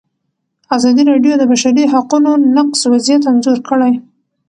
ازادي راډیو د د بشري حقونو نقض وضعیت انځور کړی.